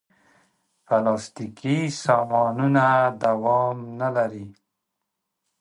پلاستيکي سامانونه دوام نه لري.